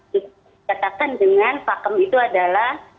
dikatakan dengan pakem itu adalah